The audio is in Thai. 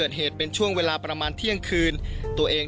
ช่วยเร่งจับตัวคนร้ายให้ได้โดยเร่ง